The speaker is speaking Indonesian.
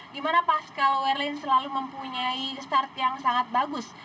dimana pascal werlin selalu mempunyai start yang sangat bagus